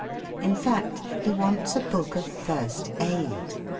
In fact he wants a book of 'First Aid'.